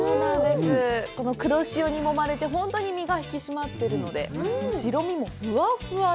この黒潮にもまれて本当に身が引き締まっているので、白身もふわふわで。